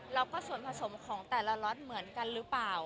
แล้วก็ส่วนผสมของแต่ละล็อตเหมือนกันหรือเปล่า